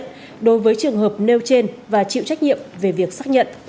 trong những trường hợp nêu trên và chịu trách nhiệm về việc xác nhận